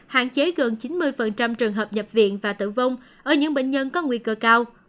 hạn chế gần chín mươi trường hợp nhập viện và tử vong ở những bệnh nhân có nguy cơ cao